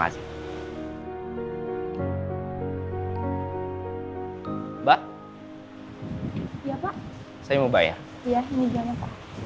kasih mbak saya mau bayar ya ini jangan